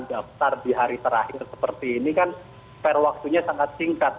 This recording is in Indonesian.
kalau misalkan pendaftar di hari terakhir seperti ini kan spare waktunya sangat singkat